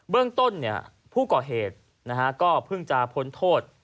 เบื้องต้นเนี้ยผู้ก่อเหตุนะฮะก็พึ่งจะผลโทษ